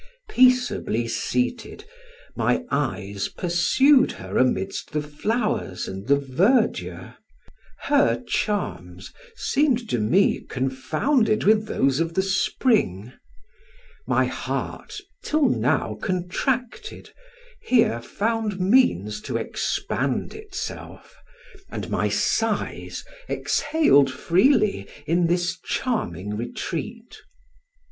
Peaceably seated, my eyes pursued her amidst the flowers and the verdure; her charms seemed to me confounded with those of the spring; my heart, till now contracted, here found means to expand itself, and my sighs exhaled freely in this charming retreat.